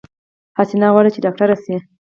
حسينه غواړی چې ډاکټره شی